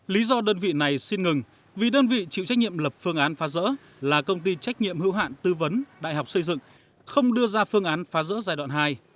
lý do đơn vị này xin ngừng vì đơn vị chịu trách nhiệm lập phương án phá rỡ là công ty trách nhiệm hữu hạn tư vấn đại học xây dựng không đưa ra phương án phá rỡ giai đoạn hai